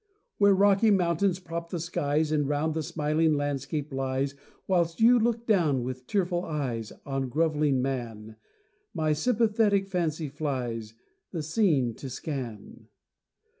Where rocky mountains prop the skies, And round the smiling landscape lies, Whilst you look down with tearful eyes On grovelling man, My sympathetic fancy flies, The scene to scan.